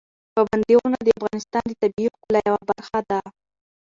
پابندي غرونه د افغانستان د طبیعي ښکلا یوه برخه ده.